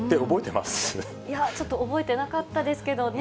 いや、ちょっと覚えてなかったですけどね。